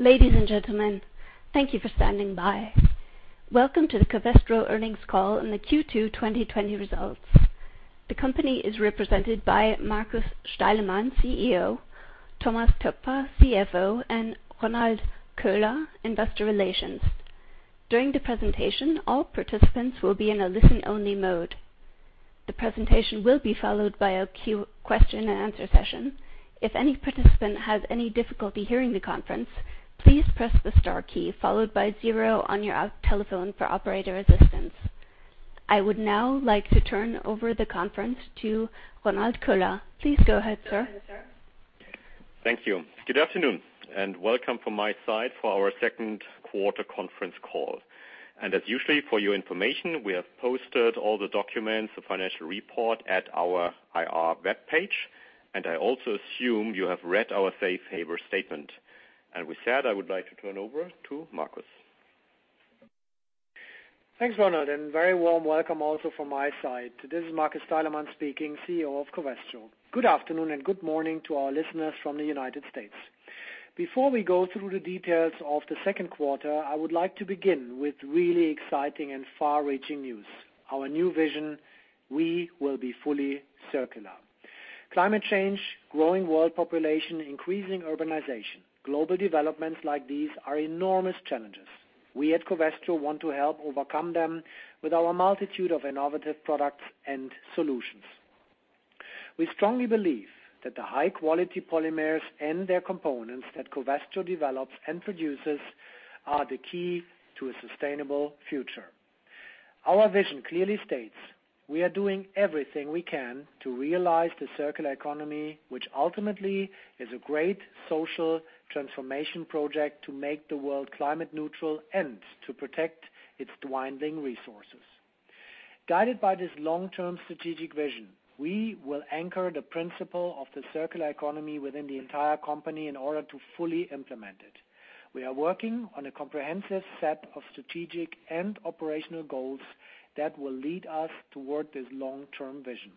Ladies and gentlemen, thank you for standing by. Welcome to the Covestro earnings call on the Q2 2020 results. The company is represented by Markus Steilemann, CEO, Thomas Toepfer, CFO, and Ronald Köhler, investor relations. During the presentation, all participants will be in a listen-only mode. The presentation will be followed by a question and answer session. If any participant has any difficulty hearing the conference, please press the star key, followed by zero on your telephone for operator assistance. I would now like to turn over the conference to Ronald Köhler. Please go ahead, sir. Thank you. Good afternoon, and welcome from my side for our second quarter conference call. As usual, for your information, we have posted all the documents, the financial report at our IR webpage, and I also assume you have read our safe harbor statement. With that, I would like to turn over to Markus. Thanks, Ronald, and a very warm welcome also from my side. This is Markus Steilemann speaking, CEO of Covestro. Good afternoon and good morning to our listeners from the U.S. Before we go through the details of the second quarter, I would like to begin with really exciting and far-reaching news. Our new vision, we will be fully circular. Climate change, growing world population, increasing urbanization, global developments like these are enormous challenges. We at Covestro want to help overcome them with our multitude of innovative products and solutions. We strongly believe that the high-quality polymers and their components that Covestro develops and produces are the key to a sustainable future. Our vision clearly states we are doing everything we can to realize the circular economy, which ultimately is a great social transformation project to make the world climate neutral and to protect its dwindling resources. Guided by this long-term strategic vision, we will anchor the principle of the circular economy within the entire company in order to fully implement it. We are working on a comprehensive set of strategic and operational goals that will lead us toward this long-term vision.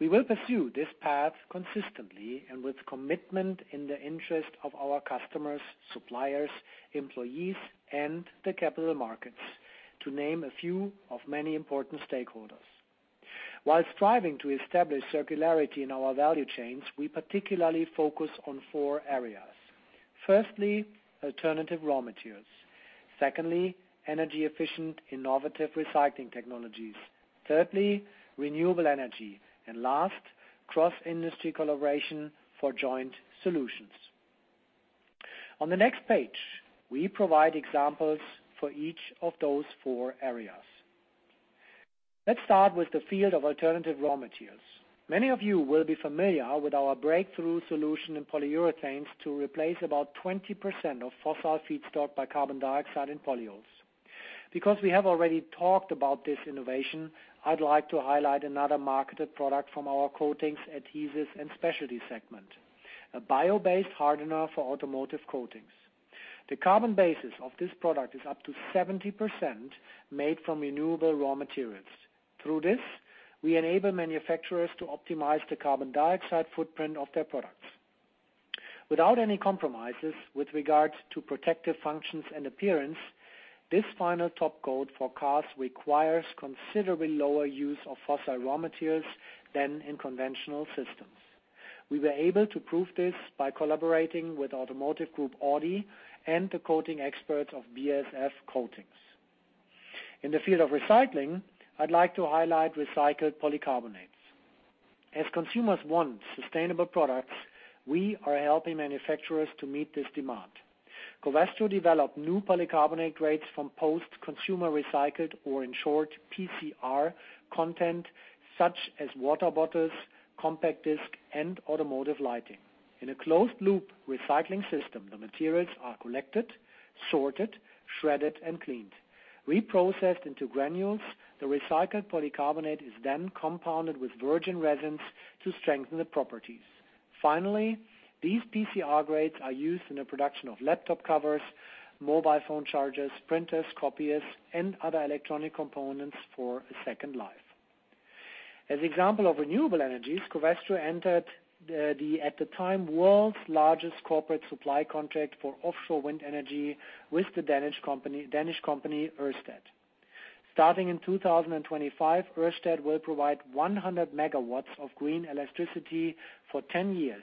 We will pursue this path consistently and with commitment in the interest of our customers, suppliers, employees, and the capital markets, to name a few of many important stakeholders. While striving to establish circularity in our value chains, we particularly focus on four areas. Firstly, alternative raw materials. Secondly, energy-efficient, innovative recycling technologies. Thirdly, renewable energy. Last, cross-industry collaboration for joint solutions. On the next page, we provide examples for each of those four areas. Let's start with the field of alternative raw materials. Many of you will be familiar with our breakthrough solution in polyurethanes to replace about 20% of fossil feedstock by carbon dioxide and polyols. Because we have already talked about this innovation, I'd like to highlight another marketed product from our coatings, adhesives, and specialty segment, a bio-based hardener for automotive coatings. The carbon basis of this product is up to 70% made from renewable raw materials. Through this, we enable manufacturers to optimize the carbon dioxide footprint of their products. Without any compromises with regard to protective functions and appearance, this final top coat for cars requires considerably lower use of fossil raw materials than in conventional systems. We were able to prove this by collaborating with automotive group Audi and the coating experts of BASF Coatings. In the field of recycling, I'd like to highlight recycled polycarbonates. As consumers want sustainable products, we are helping manufacturers to meet this demand. Covestro developed new polycarbonate grades from post-consumer recycled, or in short, PCR content, such as water bottles, compact disc, and automotive lighting. In a closed-loop recycling system, the materials are collected, sorted, shredded, and cleaned. Reprocessed into granules, the recycled polycarbonate is then compounded with virgin resins to strengthen the properties. Finally, these PCR grades are used in the production of laptop covers, mobile phone chargers, printers, copiers, and other electronic components for a second life. As an example of renewable energies, Covestro entered the, at the time, world's largest corporate supply contract for offshore wind energy with the Danish company, Ørsted. Starting in 2025, Ørsted will provide 100 MW of green electricity for 10 years,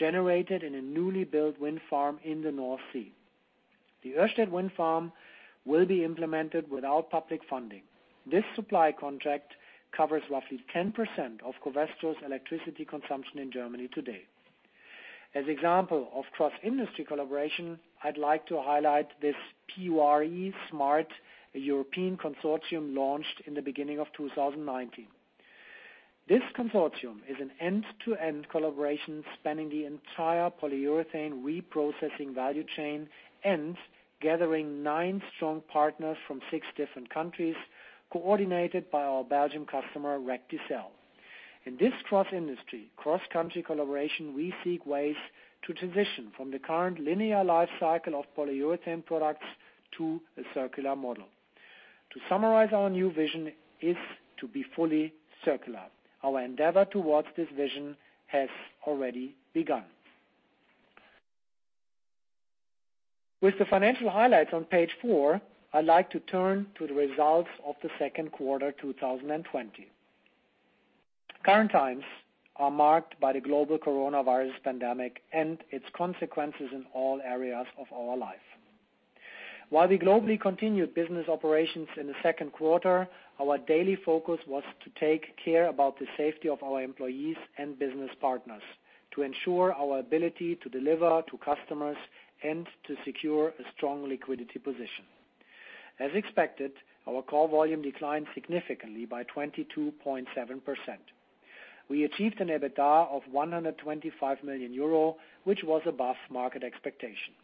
generated in a newly built wind farm in the North Sea. The Ørsted wind farm will be implemented without public funding. This supply contract covers roughly 10% of Covestro's electricity consumption in Germany today. As an example of cross-industry collaboration, I'd like to highlight this PUReSmart, a European consortium launched in the beginning of 2019. This consortium is an end-to-end collaboration spanning the entire polyurethane reprocessing value chain and gathering nine strong partners from six different countries, coordinated by our Belgium customer, Recticel. In this cross-industry, cross-country collaboration, we seek ways to transition from the current linear life cycle of polyurethane products to a circular model. To summarize our new vision is to be fully circular. Our endeavor towards this vision has already begun. With the financial highlights on page four, I'd like to turn to the results of the second quarter 2020. Current times are marked by the global coronavirus pandemic and its consequences in all areas of our life. While we globally continued business operations in the second quarter, our daily focus was to take care about the safety of our employees and business partners, to ensure our ability to deliver to customers, and to secure a strong liquidity position. As expected, our core volume declined significantly by 22.7%. We achieved an EBITDA of 125 million euro, which was above market expectation.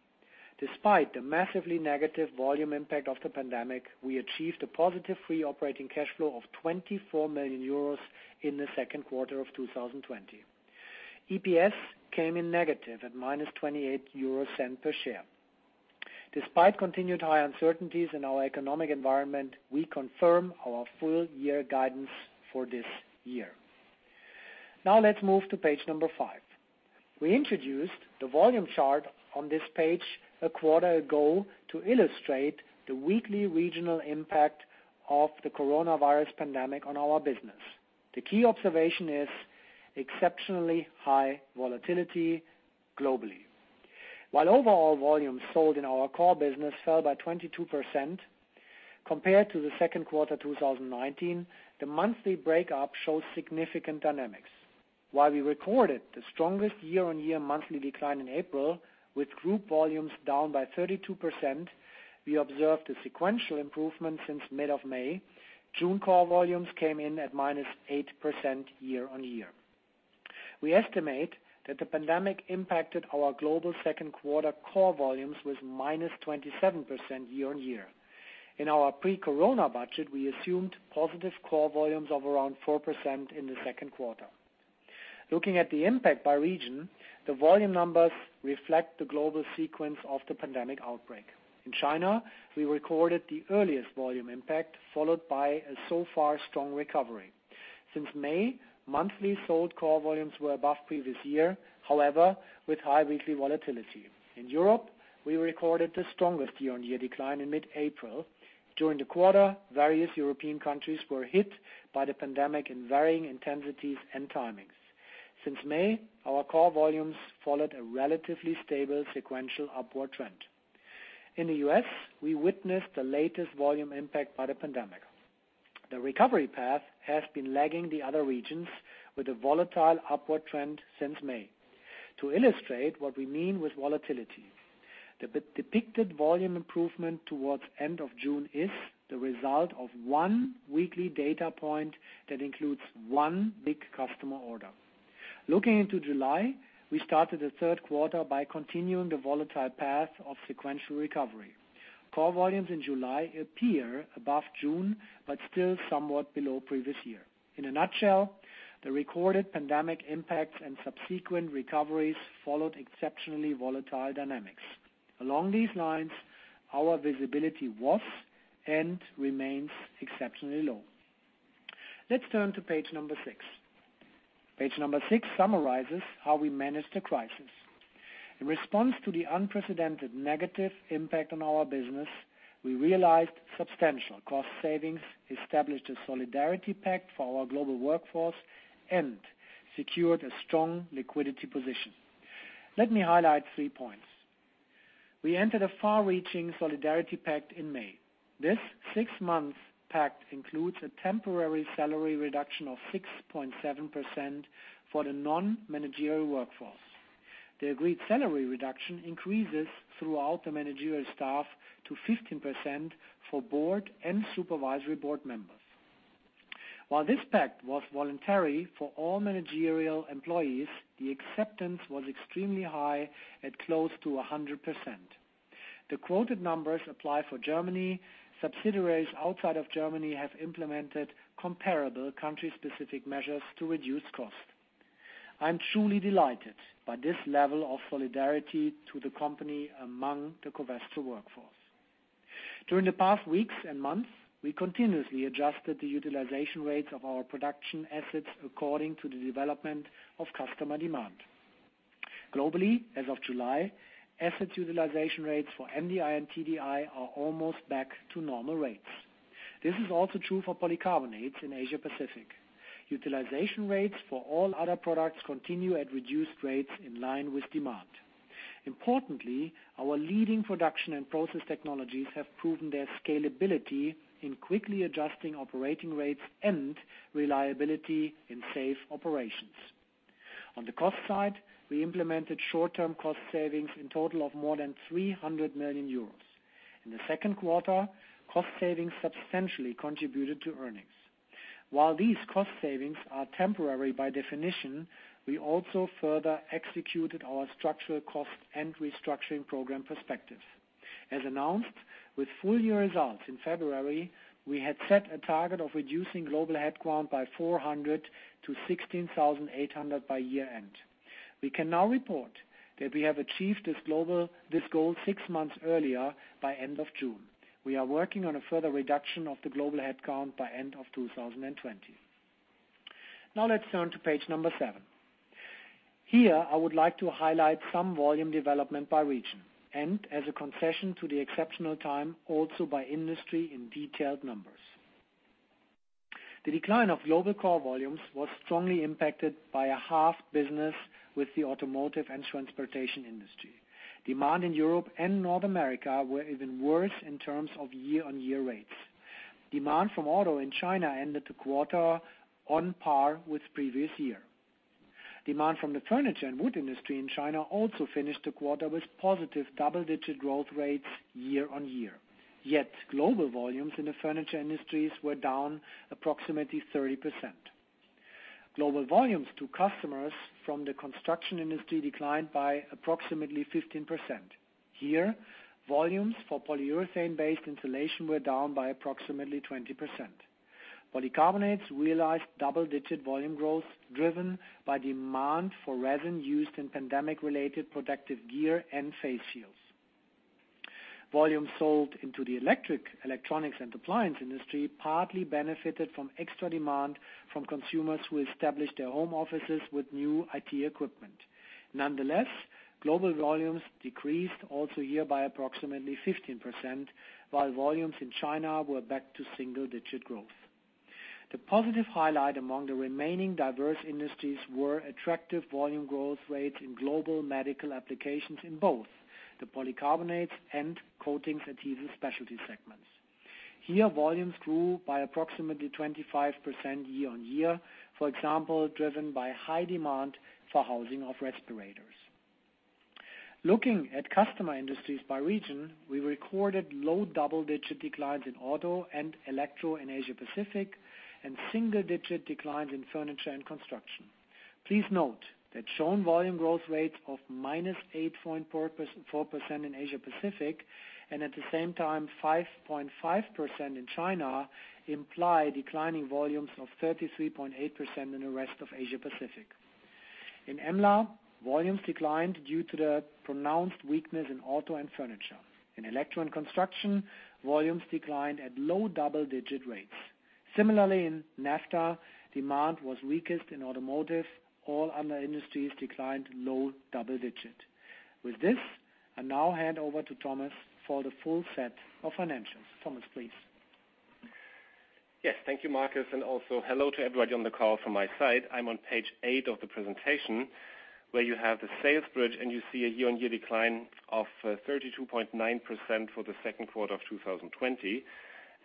Despite the massively negative volume impact of the pandemic, we achieved a positive free operating cash flow of 24 million euros in the second quarter of 2020. EPS came in negative at -0.28 per share. Despite continued high uncertainties in our economic environment, we confirm our full year guidance for this year. Let's move to page number five. We introduced the volume chart on this page a quarter ago to illustrate the weekly regional impact of the coronavirus pandemic on our business. The key observation is exceptionally high volatility globally. While overall volumes sold in our core business fell by 22% compared to the second quarter 2019, the monthly breakup shows significant dynamics. While we recorded the strongest year-on-year monthly decline in April with group volumes down by 32%, we observed a sequential improvement since mid of May. June core volumes came in at -8% year-on-year. We estimate that the pandemic impacted our global second quarter core volumes with -27% year-on-year. In our pre-corona budget, we assumed positive core volumes of around 4% in the second quarter. Looking at the impact by region, the volume numbers reflect the global sequence of the pandemic outbreak. In China, we recorded the earliest volume impact, followed by a so far strong recovery. Since May, monthly sold core volumes were above previous year, however, with high weekly volatility. In Europe, we recorded the strongest year-on-year decline in mid-April. During the quarter, various European countries were hit by the pandemic in varying intensities and timings. Since May, our core volumes followed a relatively stable sequential upward trend. In the U.S., we witnessed the latest volume impact by the pandemic. The recovery path has been lagging the other regions with a volatile upward trend since May. To illustrate what we mean with volatility, the depicted volume improvement towards end of June is the result of one weekly data point that includes one big customer order. Looking into July, we started the third quarter by continuing the volatile path of sequential recovery. Core volumes in July appear above June, but still somewhat below previous year. In a nutshell, the recorded pandemic impacts and subsequent recoveries followed exceptionally volatile dynamics. Along these lines, our visibility was and remains exceptionally low. Let's turn to page number six. Page number six summarizes how we managed the crisis. In response to the unprecedented negative impact on our business, we realized substantial cost savings, established a solidarity pact for our global workforce, and secured a strong liquidity position. Let me highlight 3 points. We entered a far-reaching solidarity pact in May. This six-month pact includes a temporary salary reduction of 6.7% for the non-managerial workforce. The agreed salary reduction increases throughout the managerial staff to 15% for board and supervisory board members. While this pact was voluntary for all managerial employees, the acceptance was extremely high at close to 100%. The quoted numbers apply for Germany. Subsidiaries outside of Germany have implemented comparable country-specific measures to reduce cost. I'm truly delighted by this level of solidarity to the company among the Covestro workforce. During the past weeks and months, we continuously adjusted the utilization rates of our production assets according to the development of customer demand. Globally, as of July, assets utilization rates for MDI and TDI are almost back to normal rates. This is also true for polycarbonates in Asia Pacific. Utilization rates for all other products continue at reduced rates in line with demand. Our leading production and process technologies have proven their scalability in quickly adjusting operating rates and reliability in safe operations. On the cost side, we implemented short-term cost savings in total of more than 300 million euros. In the second quarter, cost savings substantially contributed to earnings. While these cost savings are temporary by definition, we also further executed our structural cost and restructuring program Perspective. As announced, with full year results in February, we had set a target of reducing global headcount by 400 to 16,800 by year-end. We can now report that we have achieved this goal six months earlier by end of June. We are working on a further reduction of the global headcount by end of 2020. Now let's turn to page number seven. Here, I would like to highlight some volume development by region, and as a concession to the exceptional time, also by industry in detailed numbers. The decline of global core volumes was strongly impacted by a tough business with the automotive and transportation industry. Demand in Europe and North America were even worse in terms of year-on-year rates. Demand from auto in China ended the quarter on par with previous year. Demand from the furniture and wood industry in China also finished the quarter with positive double-digit growth rates year-on-year. Global volumes in the furniture industries were down approximately 30%. Global volumes to customers from the construction industry declined by approximately 15%. Here, volumes for polyurethane-based insulation were down by approximately 20%. Polycarbonates realized double-digit volume growth, driven by demand for resin used in pandemic-related protective gear and face shields. Volume sold into the electric, electronics, and appliance industry partly benefited from extra demand from consumers who established their home offices with new IT equipment. Nonetheless, global volumes decreased also here by approximately 15%, while volumes in China were back to single-digit growth. The positive highlight among the remaining diverse industries were attractive volume growth rates in global medical applications in both the polycarbonates and coatings adhesive specialty segments. Here, volumes grew by approximately 25% year-on-year, for example, driven by high demand for housing of respirators. Looking at customer industries by region, we recorded low double-digit declines in auto and electro in Asia-Pacific, and single-digit declines in furniture and construction. Please note that shown volume growth rates of -8.4% in Asia-Pacific, and at the same time, 5.5% in China, imply declining volumes of 33.8% in the rest of Asia-Pacific. In EMLA, volumes declined due to the pronounced weakness in auto and furniture. In electro and construction, volumes declined at low double-digit rates. Similarly, in NAFTA, demand was weakest in automotive. All other industries declined low double-digit. With this, I now hand over to Thomas for the full set of financials. Thomas, please. Yes. Thank you, Markus, also hello to everybody on the call from my side. I'm on page eight of the presentation, where you have the sales bridge. You see a year-on-year decline of 32.9% for the second quarter of 2020.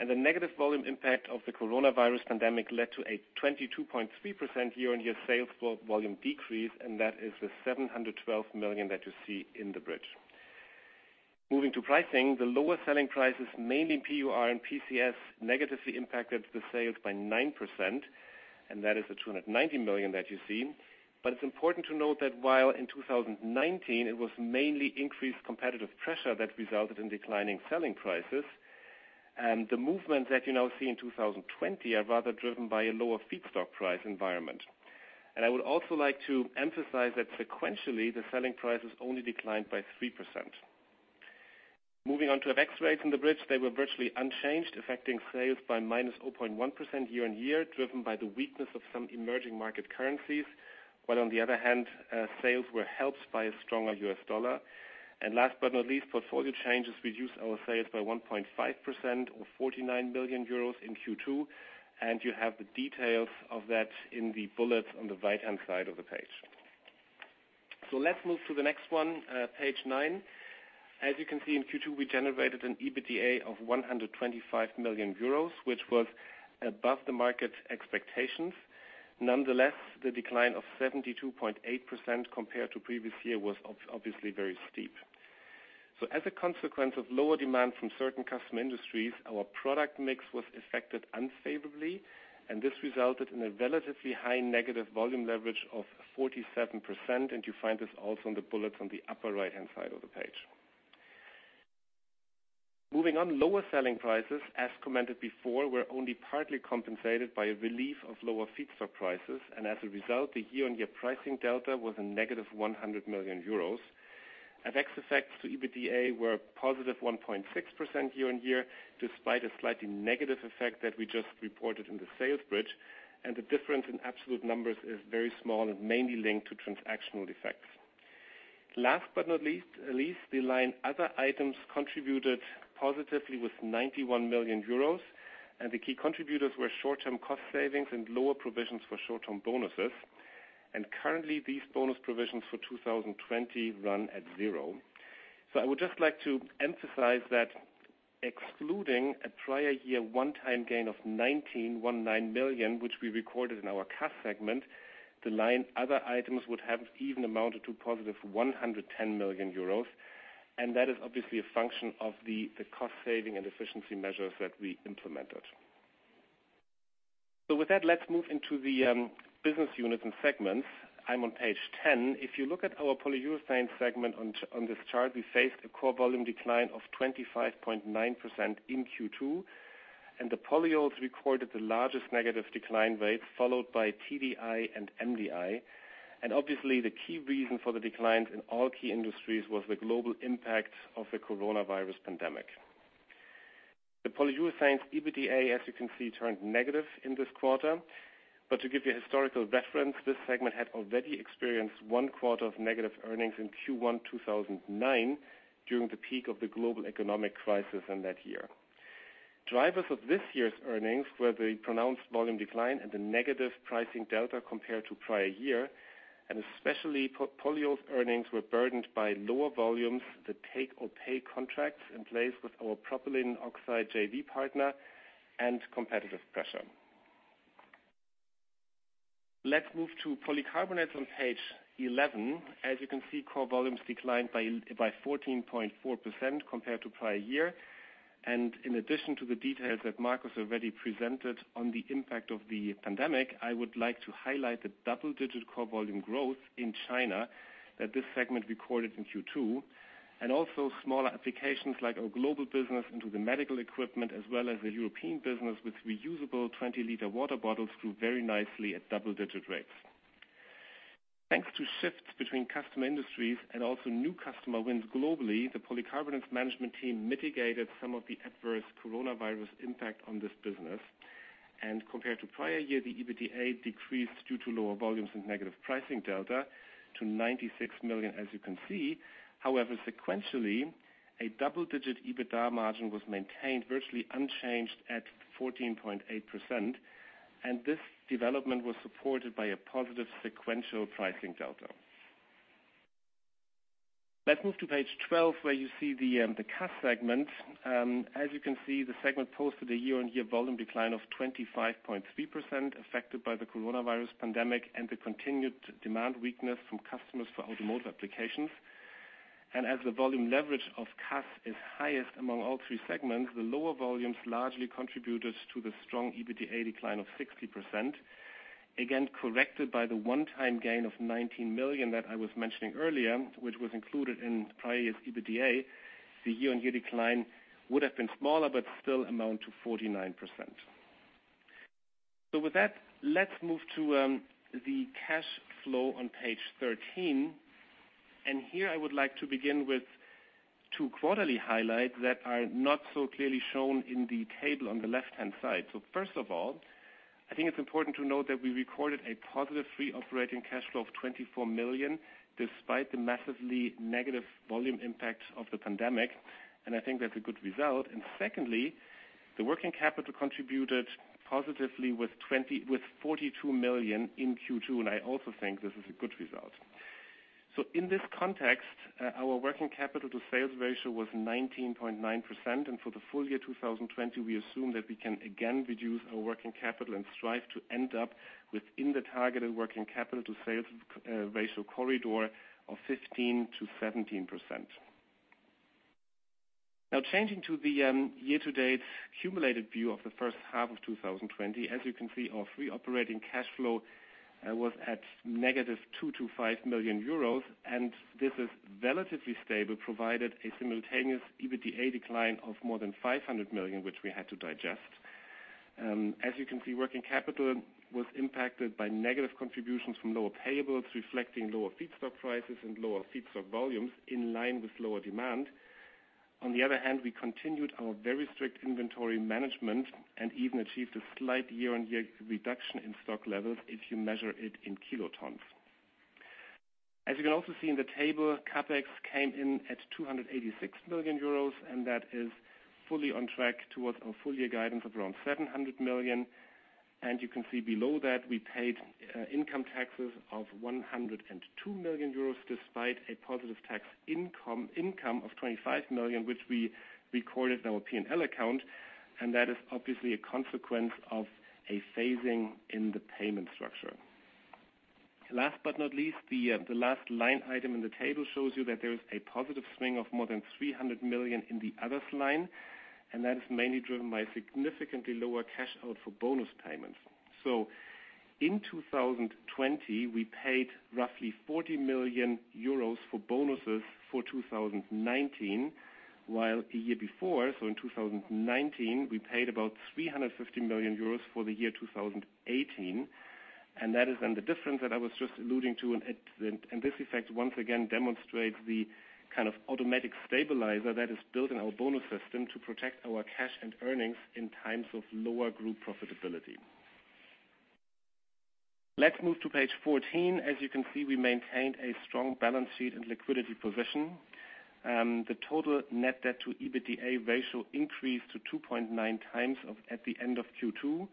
The negative volume impact of the coronavirus pandemic led to a 22.3% year-on-year sales volume decrease. That is the 712 million that you see in the bridge. Moving to pricing, the lower selling prices, mainly PUR and PCS, negatively impacted the sales by 9%. That is the 290 million that you see. It's important to note that while in 2019 it was mainly increased competitive pressure that resulted in declining selling prices, the movement that you now see in 2020 are rather driven by a lower feedstock price environment. I would also like to emphasize that sequentially, the selling prices only declined by 3%. Moving on to FX rates in the bridge, they were virtually unchanged, affecting sales by -0.1% year-on-year, driven by the weakness of some emerging market currencies. While on the other hand, sales were helped by a stronger U.S. dollar. Last but not least, portfolio changes reduced our sales by 1.5% or 49 million euros in Q2, and you have the details of that in the bullets on the right-hand side of the page. Let's move to the next one, page nine. As you can see, in Q2, we generated an EBITDA of 125 million euros, which was above the market's expectations. Nonetheless, the decline of 72.8% compared to previous year was obviously very steep. As a consequence of lower demand from certain customer industries, our product mix was affected unfavorably, and this resulted in a relatively high negative volume leverage of 47%, and you find this also on the bullets on the upper right-hand side of the page. Moving on, lower selling prices, as commented before, were only partly compensated by a relief of lower feedstock prices, and as a result, the year-on-year pricing delta was a -100 million euros. FX effects to EBITDA were a +1.6% year-on-year, despite a slightly negative effect that we just reported in the sales bridge, and the difference in absolute numbers is very small and mainly linked to transactional effects. Last but not least, the line other items contributed positively with 91 million euros, and the key contributors were short-term cost savings and lower provisions for short-term bonuses. Currently, these bonus provisions for 2020 run at zero. I would just like to emphasize that excluding a prior year one-time gain of 19 million, which we recorded in our cash segment, the line other items would have even amounted to positive 110 million euros, and that is obviously a function of the cost saving and efficiency measures that we implemented. With that, let's move into the business unit and segments. I'm on page 10. If you look at our Polyurethanes segment on this chart, we faced a core volume decline of 25.9% in Q2. The polyols recorded the largest negative decline rate, followed by TDI and MDI. Obviously, the key reason for the declines in all key industries was the global impact of the coronavirus pandemic. The Polyurethanes EBITDA, as you can see, turned negative in this quarter. To give you historical reference, this segment had already experienced one quarter of negative earnings in Q1 2009 during the peak of the global economic crisis in that year. Drivers of this year's earnings were the pronounced volume decline and the negative pricing delta compared to prior year, and especially polyols earnings were burdened by lower volumes, the take-or-pay contracts in place with our propylene oxide JV partner, and competitive pressure. Let's move to polycarbonates on page 11. As you can see, core volumes declined by 14.4% compared to prior year. In addition to the details that Markus already presented on the impact of the pandemic, I would like to highlight the double-digit core volume growth in China that this segment recorded in Q2, and also smaller applications like our global business into the medical equipment as well as the European business with reusable 20 L water bottles grew very nicely at double-digit rates. Thanks to shifts between customer industries and also new customer wins globally, the polycarbonates management team mitigated some of the adverse coronavirus impact on this business. Compared to prior year, the EBITDA decreased due to lower volumes and negative pricing delta to 96 million, as you can see. However, sequentially, a double-digit EBITDA margin was maintained virtually unchanged at 14.8%. This development was supported by a positive sequential pricing delta. Let's move to page 12, where you see the CAS segment. You can see, the segment posted a year-over-year volume decline of 25.3% affected by the coronavirus pandemic and the continued demand weakness from customers for automotive applications. As the volume leverage of CAS is highest among all three segments, the lower volumes largely contributed to the strong EBITDA decline of 60%. Again, corrected by the one-time gain of 19 million that I was mentioning earlier, which was included in prior year's EBITDA. The year-over-year decline would have been smaller, still amount to 49%. With that, let's move to the cash flow on page 13. Here I would like to begin with two quarterly highlights that are not so clearly shown in the table on the left-hand side. First of all, I think it's important to note that we recorded a positive free operating cash flow of 24 million, despite the massively negative volume impact of the pandemic, and I think that's a good result. Secondly, the working capital contributed positively with 42 million in Q2, and I also think this is a good result. In this context, our working capital to sales ratio was 19.9%, and for the full year 2020, we assume that we can again reduce our working capital and strive to end up within the targeted working capital to sales ratio corridor of 15%-17%. Changing to the year-to-date cumulative view of the first half of 2020. As you can see, our free operating cash flow was at negative 225 million euros. This is relatively stable, provided a simultaneous EBITDA decline of more than 500 million, which we had to digest. As you can see, working capital was impacted by negative contributions from lower payables, reflecting lower feedstock prices and lower feedstock volumes in line with lower demand. On the other hand, we continued our very strict inventory management and even achieved a slight year-on-year reduction in stock levels if you measure it in kilotons. As you can also see in the table, CapEx came in at 286 million euros. That is fully on track towards our full-year guidance of around 700 million. You can see below that we paid income taxes of 102 million euros, despite a positive tax income of 25 million, which we recorded in our P&L account, and that is obviously a consequence of a phasing in the payment structure. Last but not least, the last line item in the table shows you that there is a positive swing of more than 300 million in the others line, and that is mainly driven by significantly lower cash out for bonus payments. In 2020, we paid roughly 40 million euros for bonuses for 2019, while the year before, so in 2019, we paid about 350 million euros for the year 2018. That is the difference that I was just alluding to, and this effect once again demonstrates the kind of automatic stabilizer that is built in our bonus system to protect our cash and earnings in times of lower group profitability. Let's move to page 14. As you can see, we maintained a strong balance sheet and liquidity position. The total net debt to EBITDA ratio increased to 2.9x at the end of Q2,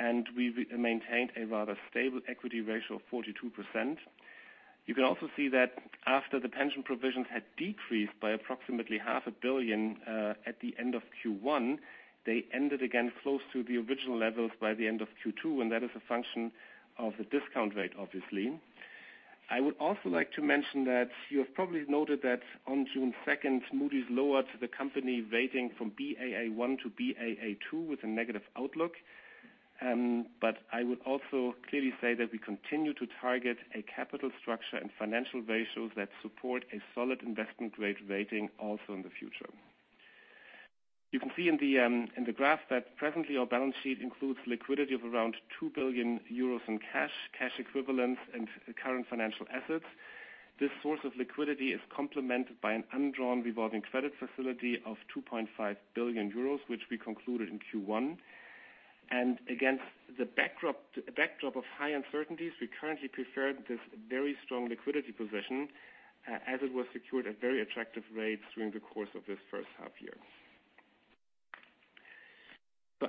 and we maintained a rather stable equity ratio of 42%. You can also see that after the pension provisions had decreased by approximately half a billion at the end of Q1, they ended again close to the original levels by the end of Q2. That is a function of the discount rate, obviously. I would also like to mention that you have probably noted that on June 2nd, 2020. Moody's lowered the company rating from Baa1 to Baa2 with a negative outlook. I would also clearly say that we continue to target a capital structure and financial ratios that support a solid investment grade rating also in the future. You can see in the graph that presently our balance sheet includes liquidity of around 2 billion euros in cash equivalents, and current financial assets. This source of liquidity is complemented by an undrawn revolving credit facility of 2.5 billion euros, which we concluded in Q1. Against the backdrop of high uncertainties, we currently prefer this very strong liquidity position, as it was secured at very attractive rates during the course of this first half-year.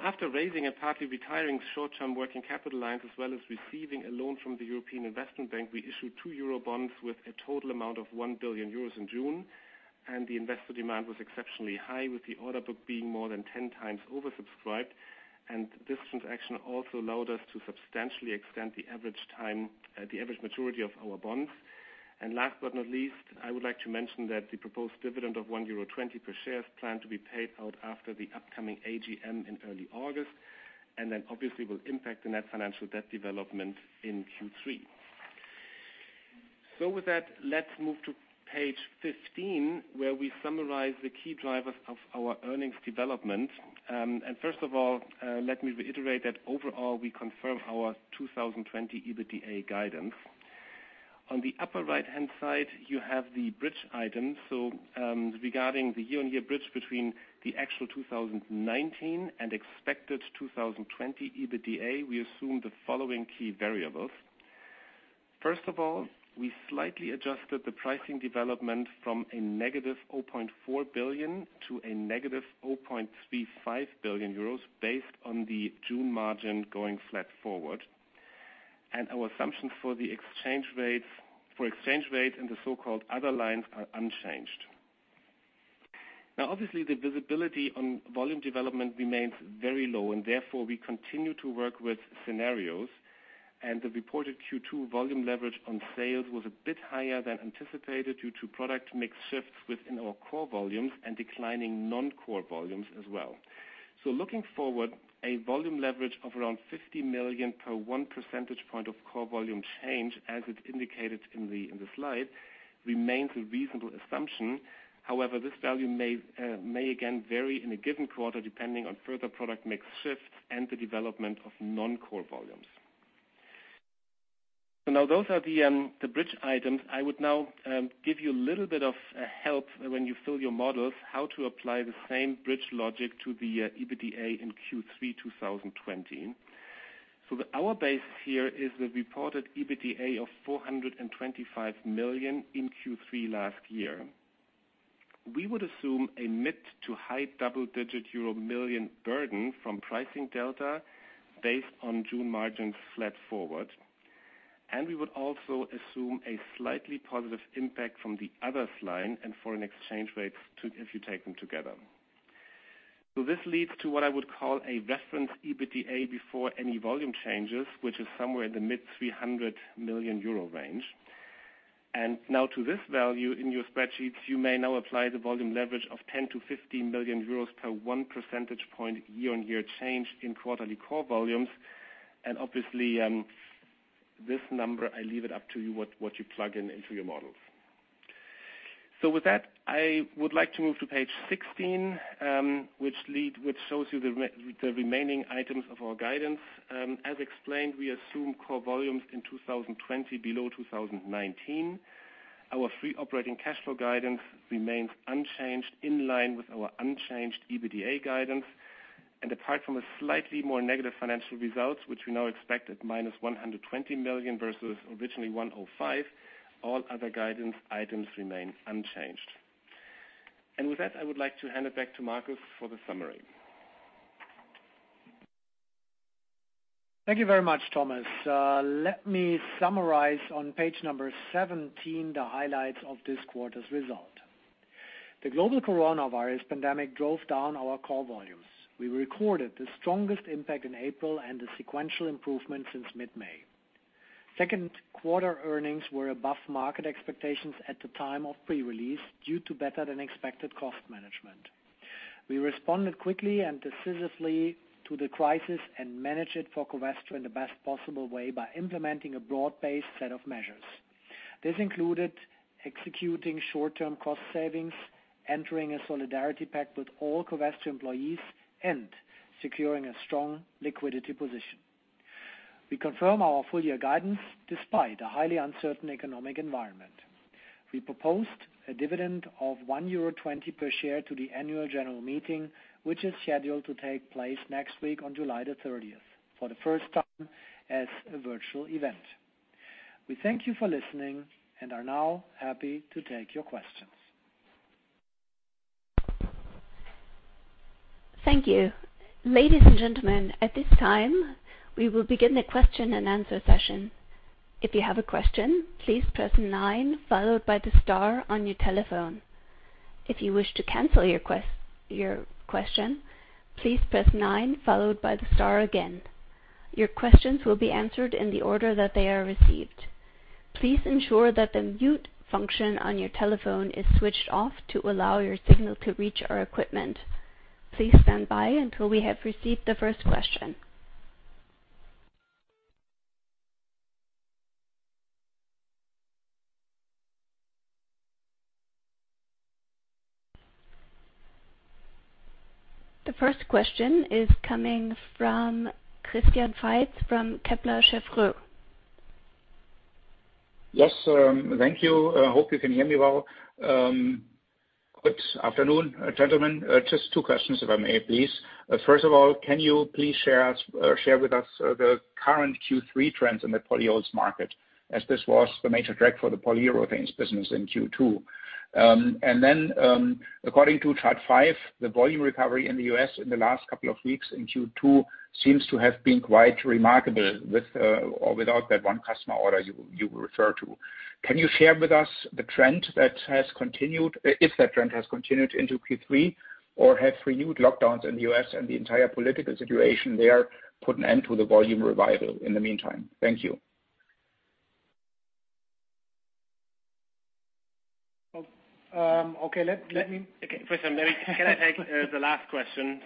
After raising and partly retiring short-term working capital lines, as well as receiving a loan from the European Investment Bank, we issued 2 Eurobonds with a total amount of 1 billion euros in June, and the investor demand was exceptionally high, with the order book being more than 10x oversubscribed. This transaction also allowed us to substantially extend the average maturity of our bonds. Last but not least, I would like to mention that the proposed dividend of 1.20 euro per share is planned to be paid out after the upcoming AGM in early August, and then obviously, will impact the net financial debt development in Q3. With that, let's move to page 15, where we summarize the key drivers of our earnings development. First of all, let me reiterate that overall, we confirm our 2020 EBITDA guidance. On the upper right-hand side, you have the bridge items. Regarding the year-on-year bridge between the actual 2019 and expected 2020 EBITDA, we assume the following key variables. First of all, we slightly adjusted the pricing development from a negative 0.4 billion to a negative 0.35 billion euros, based on the June margin going flat forward. Our assumptions for exchange rates and the so-called other lines are unchanged. Obviously, the visibility on volume development remains very low, and therefore, we continue to work with scenarios. The reported Q2 volume leverage on sales was a bit higher than anticipated due to product mix shifts within our core volumes and declining non-core volumes as well. Looking forward, a volume leverage of around 50 million per 1 percentage point of core volume change, as it's indicated in the slide, remains a reasonable assumption. This value may again vary in a given quarter depending on further product mix shifts and the development of non-core volumes. Those are the bridge items. I would now give you a little bit of help when you fill your models, how to apply the same bridge logic to the EBITDA in Q3 2020. Our base here is the reported EBITDA of 425 million in Q3 last year. We would assume a mid to high double-digit euro million burden from pricing delta based on June margins flat forward. We would also assume a slightly positive impact from the others line and foreign exchange rates, if you take them together. This leads to what I would call a reference EBITDA before any volume changes, which is somewhere in the mid 300 million euro range. Now to this value in your spreadsheets, you may now apply the volume leverage of 10 million-15 million euros per 1 percentage point year-on-year change in quarterly core volumes. Obviously, this number, I leave it up to you what you plug in into your models. With that, I would like to move to page 16, which shows you the remaining items of our guidance. As explained, we assume core volumes in 2020 below 2019. Our free operating cash flow guidance remains unchanged, in line with our unchanged EBITDA guidance. Apart from a slightly more negative financial result, which we now expect at minus 120 million versus originally 105, all other guidance items remain unchanged. With that, I would like to hand it back to Markus for the summary. Thank you very much, Thomas. Let me summarize on page number 17 the highlights of this quarter's result. The global coronavirus pandemic drove down our core volumes. We recorded the strongest impact in April and a sequential improvement since mid-May. Second quarter earnings were above market expectations at the time of pre-release due to better-than-expected cost management. We responded quickly and decisively to the crisis and managed it for Covestro in the best possible way by implementing a broad-based set of measures. This included executing short-term cost savings, entering a solidarity pact with all Covestro employees, and securing a strong liquidity position. We confirm our full-year guidance despite a highly uncertain economic environment. We proposed a dividend of 1.20 euro per share to the annual general meeting, which is scheduled to take place next week on July the 30th, 2020, for the first time as a virtual event. We thank you for listening and are now happy to take your questions. Thank you. Ladies and gentlemen, at this time, we will begin the question and answer session. If you have a question, please press nine followed by the star on your telephone. If you wish to cancel your question, please press nine followed by the star again. Your questions will be answered in the order that they are received. Please ensure that the mute function on your telephone is switched off to allow your signal to reach our equipment. Please stand by until we have received the first question. The first question is coming from Christian Faitz from Kepler Cheuvreux. Yes, thank you. Hope you can hear me well. Good afternoon, gentlemen. Just two questions, if I may, please. First of all, can you please share with us the current Q3 trends in the polyols market, as this was the major drag for the polyol business in Q2? According to chart five, the volume recovery in the U.S. in the last couple of weeks in Q2 seems to have been quite remarkable with or without that one customer order you referred to. Can you share with us the trend, if that trend has continued into Q3, or have renewed lockdowns in the U.S. and the entire political situation there put an end to the volume revival in the meantime? Thank you. Okay. First, can I take the last question?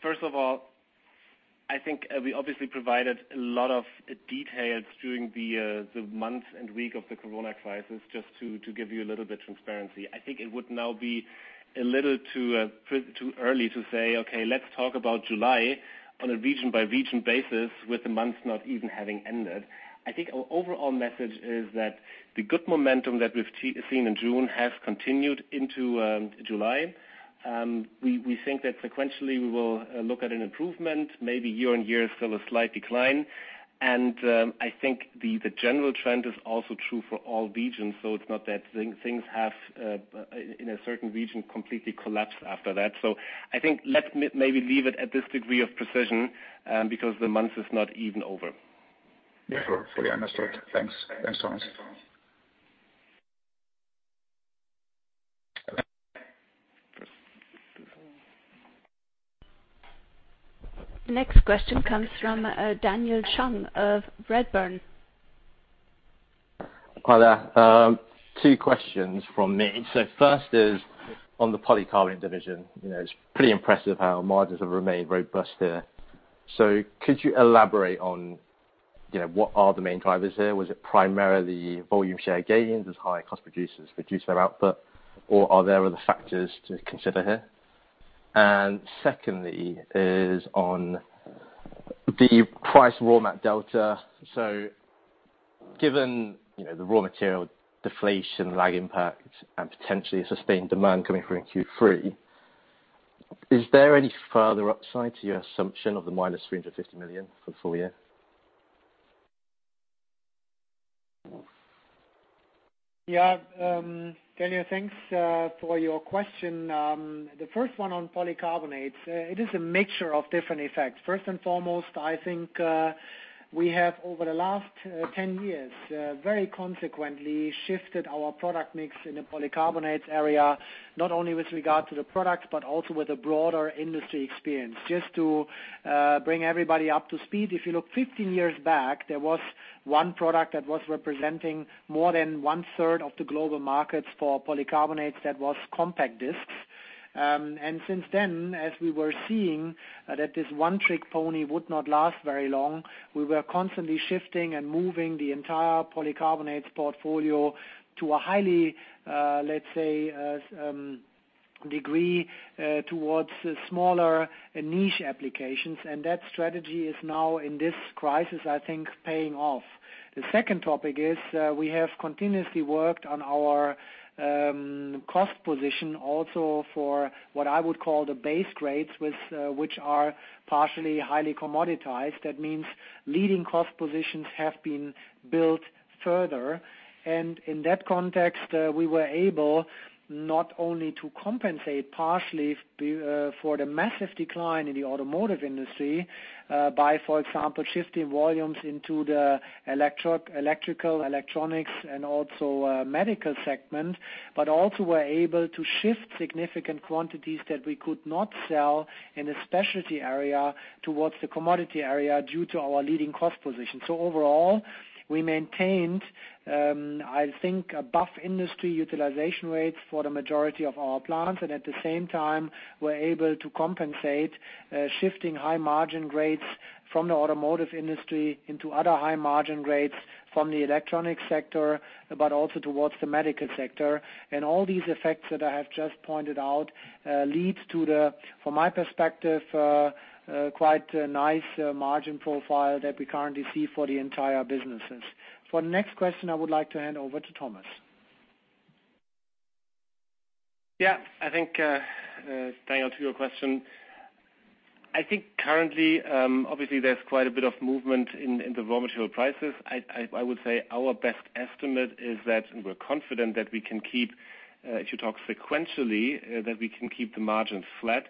First of all, I think we obviously provided a lot of details during the months and week of the COVID crisis, just to give you a little bit of transparency. I think it would now be a little too early to say, okay, let's talk about July on a region-by-region basis with the month not even having ended. I think our overall message is that the good momentum that we've seen in June has continued into July. We think that sequentially we will look at an improvement, maybe year-over-year, still a slight decline. I think the general trend is also true for all regions, so it's not that things have, in a certain region, completely collapsed after that. I think let's maybe leave it at this degree of precision, because the month is not even over. Sure. Fully understood. Thanks. Thanks, Thomas. Next question comes from Daniel Chung of Redburn. Hi, there. Two questions from me. First is on the polycarbonate division. It's pretty impressive how margins have remained robust here. Could you elaborate on what are the main drivers here? Was it primarily volume share gains as high-cost producers reduce their output, or are there other factors to consider here? Secondly is on the price raw mat delta. Given the raw material deflation lag impact and potentially sustained demand coming through in Q3, is there any further upside to your assumption of the minus 350 million for the full year? Yeah. Daniel, thanks for your question. The first one on polycarbonates. It is a mixture of different effects. First and foremost, I think, we have over the last 10 years, very consequently shifted our product mix in the polycarbonates area, not only with regard to the product, but also with a broader industry experience. Just to bring everybody up to speed, if you look 15 years back, there was one product that was representing more than 1/3 of the global markets for polycarbonates. That was compact discs. Since then, as we were seeing that this one-trick pony would not last very long, we were constantly shifting and moving the entire polycarbonates portfolio to a highly, let's say, degree, towards smaller niche applications. That strategy is now in this crisis, I think, paying off. The second topic is, we have continuously worked on our cost position also for what I would call the base grades, which are partially highly commoditized. That means leading cost positions have been built further. In that context, we were able not only to compensate partially for the massive decline in the automotive industry, by, for example, shifting volumes into the electrical, electronics, and also medical segment. Also we're able to shift significant quantities that we could not sell in a specialty area towards the commodity area due to our leading cost position. Overall, we maintained, I think, above industry utilization rates for the majority of our plants, and at the same time, we're able to compensate shifting high margin grades from the automotive industry into other high margin grades from the electronic sector, but also towards the medical sector. All these effects that I have just pointed out, leads to the, from my perspective, quite a nice margin profile that we currently see for the entire businesses. For the next question, I would like to hand over to Thomas. Yeah, I think, Daniel, to your question. I think currently, obviously there's quite a bit of movement in the raw material prices. I would say our best estimate is that we're confident that we can keep, if you talk sequentially, that we can keep the margins flat.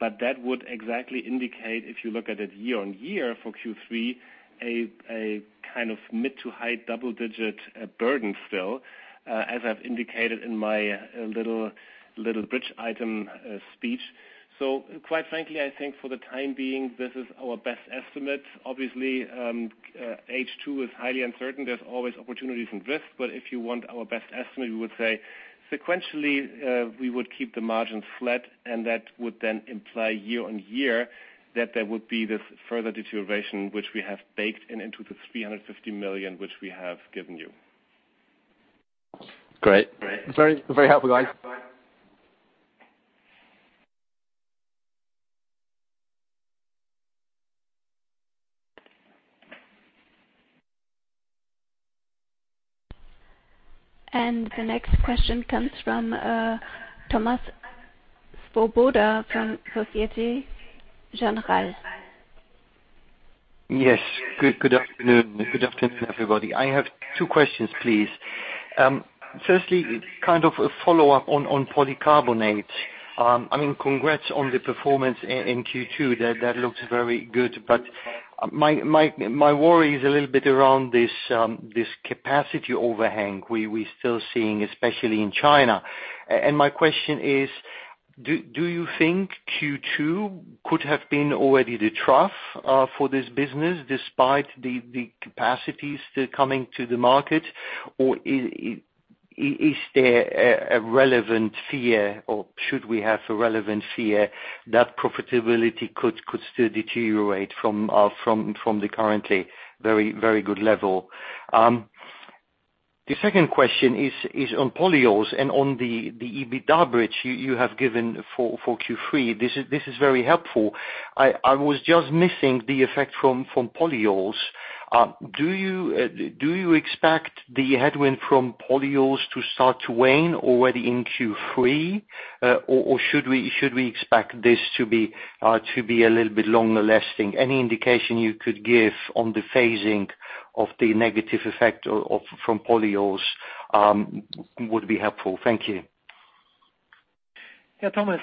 That would exactly indicate, if you look at it year-on-year for Q3, a kind of mid to high double-digit burden still, as I've indicated in my little bridge item speech. Quite frankly, I think for the time being, this is our best estimate. Obviously, H2 is highly uncertain. There's always opportunities and risks, but if you want our best estimate, we would say sequentially, we would keep the margins flat and that would then imply year-on-year that there would be this further deterioration, which we have baked in into the 350 million, which we have given you. Great. Very helpful, guys. The next question comes from Thomas Swoboda from Société Générale. Yes. Good afternoon. Good afternoon, everybody. I have two questions, please. Firstly, kind of a follow-up on polycarbonates. Congrats on the performance in Q2. That looks very good. My worry is a little bit around this capacity overhang we're still seeing, especially in China. My question is: Do you think Q2 could have been already the trough for this business despite the capacities still coming to the market? Is there a relevant fear, or should we have a relevant fear that profitability could still deteriorate from the currently very good level? The second question is on polyols and on the EBITDA bridge you have given for Q3. This is very helpful. I was just missing the effect from polyols. Do you expect the headwind from polyols to start to wane already in Q3? Should we expect this to be a little bit longer lasting? Any indication you could give on the phasing of the negative effect from polyols would be helpful. Thank you. Yeah, Thomas,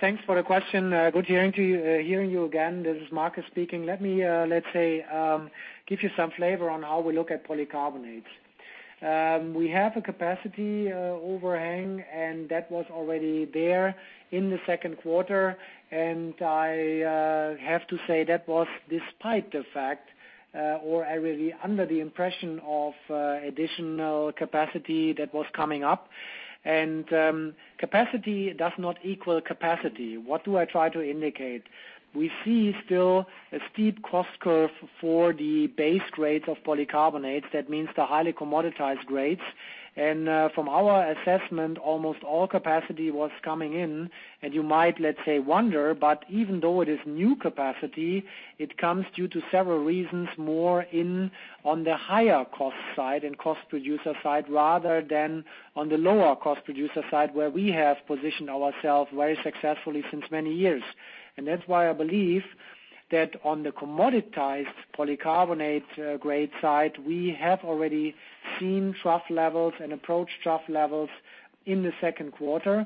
thanks for the question. Good hearing you again. This is Markus speaking. Let me give you some flavor on how we look at polycarbonates. We have a capacity overhang. That was already there in the second quarter. I have to say that was despite the fact, or really under the impression of additional capacity that was coming up, and capacity does not equal capacity. What do I try to indicate? We see still a steep cost curve for the base grade of polycarbonates, that means the highly commoditized grades. From our assessment, almost all capacity was coming in, and you might wonder, but even though it is new capacity, it comes due to several reasons more in on the higher cost side and cost producer side, rather than on the lower cost producer side, where we have positioned ourselves very successfully since many years. That's why I believe that on the commoditized polycarbonate grade side, we have already seen trough levels and approached trough levels in the second quarter.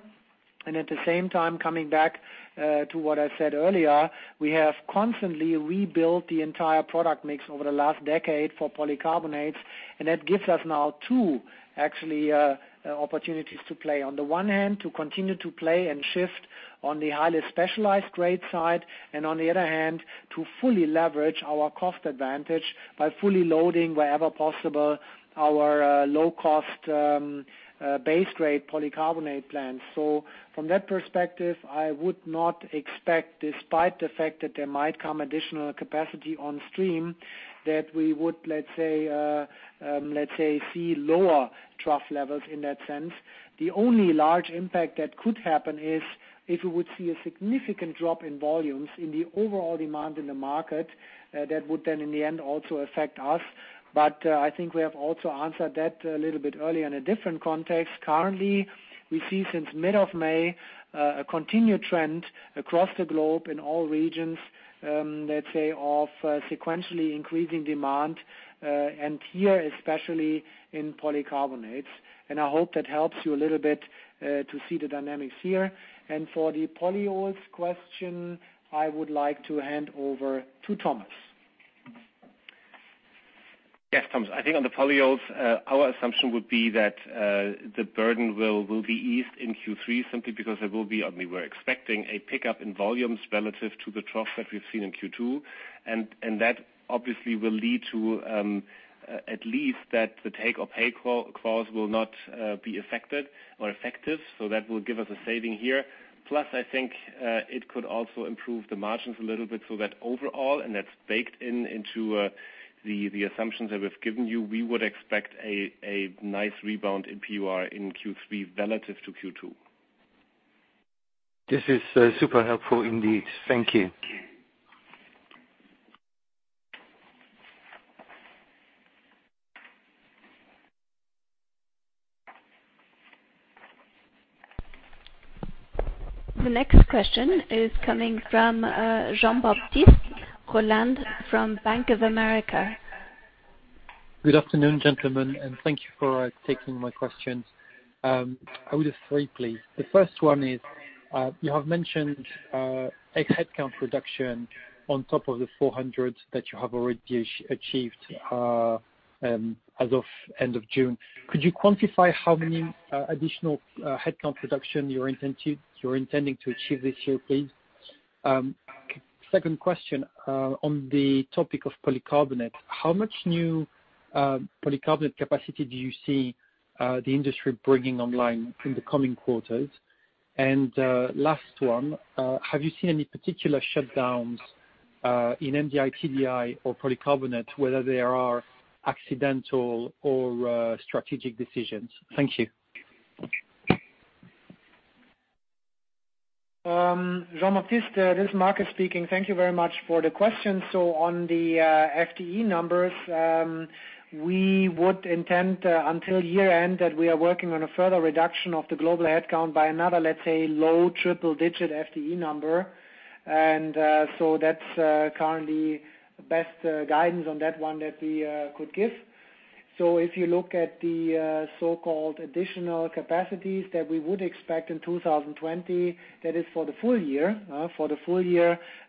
At the same time, coming back to what I said earlier, we have constantly rebuilt the entire product mix over the last decade for polycarbonates, and that gives us now two actually opportunities to play. On the one hand, to continue to play and shift on the highly specialized grade side, and on the other hand, to fully leverage our cost advantage by fully loading wherever possible our low-cost base grade polycarbonate plants. From that perspective, I would not expect, despite the fact that there might come additional capacity on stream, that we would see lower trough levels in that sense. The only large impact that could happen is if we would see a significant drop in volumes in the overall demand in the market, that would then in the end also affect us. I think we have also answered that a little bit earlier in a different context. Currently, we see since mid of May a continued trend across the globe in all regions of sequentially increasing demand, here, especially in polycarbonates. I hope that helps you a little bit to see the dynamics here. For the polyols question, I would like to hand over to Thomas. Yes, Thomas. I think on the polyols, our assumption would be that the burden will be eased in Q3 simply because there will be, we were expecting a pickup in volumes relative to the trough that we've seen in Q2. That obviously will lead to at least the take-or-pay clause will not be affected or effective. That will give us a saving here. I think it could also improve the margins a little bit so that overall, and that's baked in into the assumptions that we've given you, we would expect a nice rebound in PUR in Q3 relative to Q2. This is super helpful indeed. Thank you. The next question is coming from Jean-Baptiste Rolland from Bank of America. Good afternoon, gentlemen, and thank you for taking my questions. I would have three, please. The first one is, you have mentioned a headcount reduction on top of the 400 that you have already achieved as of end of June. Could you quantify how many additional headcount reduction you're intending to achieve this year, please? Second question, on the topic of polycarbonate, how much new polycarbonate capacity do you see the industry bringing online in the coming quarters? Last one, have you seen any particular shutdowns in MDI, TDI, or polycarbonate, whether they are accidental or strategic decisions? Thank you. Jean-Baptiste, this is Markus speaking. Thank you very much for the question. On the FTE numbers, we would intend until year-end that we are working on a further reduction of the global headcount by another, let's say, low triple-digit FTE number. That's currently best guidance on that one that we could give. If you look at the so-called additional capacities that we would expect in 2020, that is for the full year,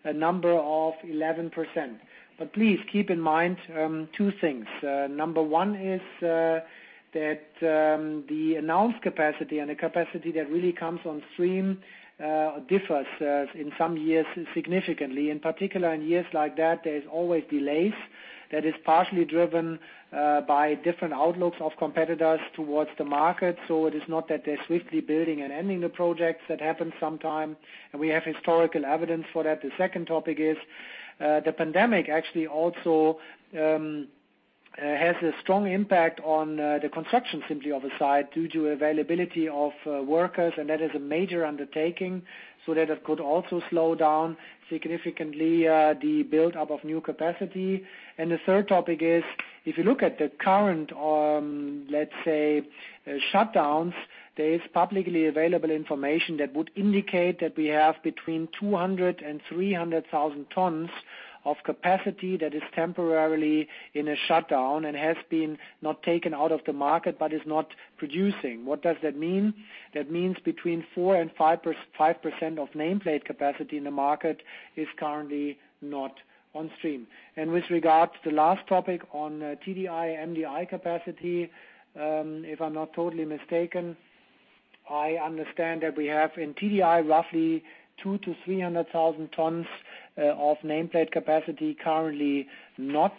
a number of 11%. Please keep in mind two things. Number one is that the announced capacity and the capacity that really comes on stream differs in some years significantly. In particular, in years like that, there is always delays that is partially driven by different outlooks of competitors towards the market. It is not that they're swiftly building and ending the projects. That happens sometime. We have historical evidence for that. The second topic is, the pandemic actually also has a strong impact on the construction simply of a side due to availability of workers, and that is a major undertaking, so that it could also slow down significantly the buildup of new capacity. The third topic is, if you look at the current, let's say, shutdowns, there is publicly available information that would indicate that we have between 200,000 and 300,000 tons of capacity that is temporarily in a shutdown and has been not taken out of the market, but is not producing. What does that mean? That means between 4% and 5% of nameplate capacity in the market is currently not on stream. With regard to the last topic on TDI, MDI capacity, if I'm not totally mistaken, I understand that we have in TDI, roughly 200,000 to 300,000 tons of nameplate capacity currently not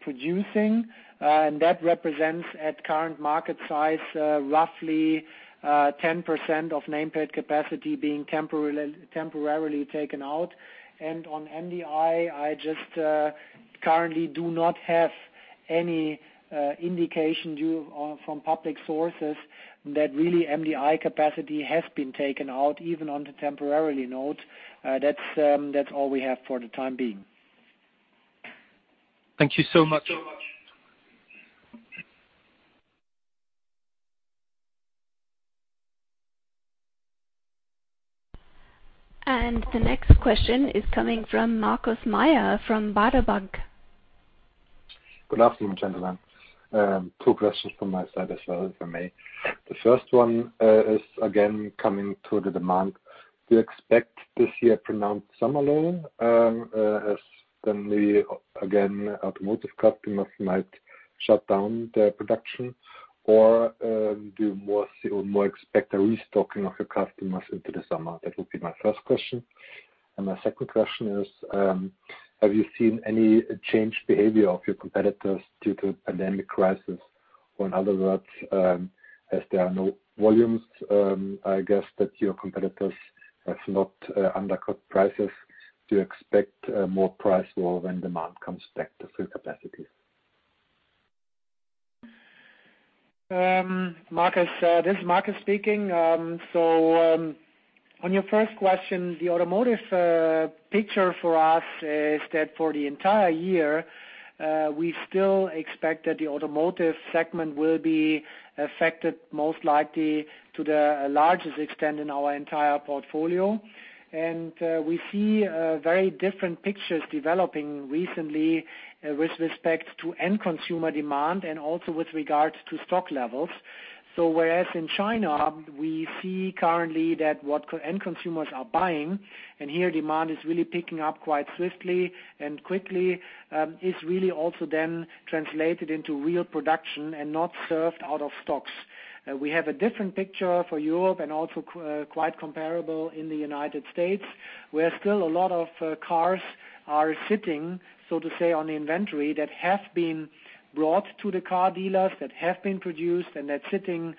producing. That represents at current market size, roughly 10% of nameplate capacity being temporarily taken out. On MDI, I just currently do not have any indication due from public sources that really MDI capacity has been taken out, even on the temporarily note. That's all we have for the time being. Thank you so much. The next question is coming from Markus Mayer from Baader Bank. Good afternoon, gentlemen. Two questions from my side as well for me. The first one is again, coming to the demand. Do you expect this year pronounced summer lull as suddenly again, automotive customers might shut down their production? Do you more expect a restocking of your customers into the summer? That would be my first question. My second question is, have you seen any change behavior of your competitors due to pandemic crisis? In other words, as there are no volumes, I guess that your competitors have not undercut prices. Do you expect more price war when demand comes back to full capacity? Markus, this is Markus speaking. On your first question, the automotive picture for us is that for the entire year, we still expect that the automotive segment will be affected most likely to the largest extent in our entire portfolio. We see very different pictures developing recently with respect to end consumer demand and also with regard to stock levels. Whereas in China, we see currently that what end consumers are buying, and here demand is really picking up quite swiftly and quickly, is really also then translated into real production and not served out of stocks. We have a different picture for Europe and also quite comparable in the United States, where still a lot of cars are sitting, so to say, on the inventory that have been brought to the car dealers, that have been produced, and they're sitting